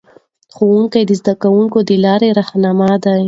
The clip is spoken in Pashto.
ښوونکي د زده کوونکو د لارې رهنما دي.